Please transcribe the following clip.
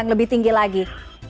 yang lebih tinggi lagi